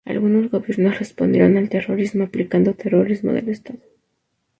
Algunos gobiernos respondieron al terrorismo aplicando terrorismo de Estado.